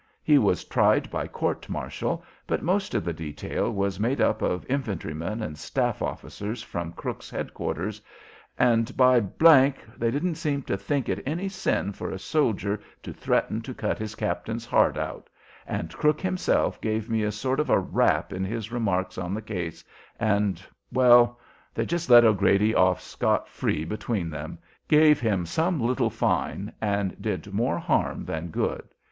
He was tried by court martial, but most of the detail was made up of infantrymen and staff officers from Crook's head quarters, and, by ! they didn't seem to think it any sin for a soldier to threaten to cut his captain's heart out, and Crook himself gave me a sort of a rap in his remarks on the case, and well, they just let O'Grady off scot free between them, gave him some little fine, and did more harm than good.